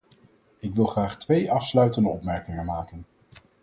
Ik wil graag twee afsluitende opmerkingen maken.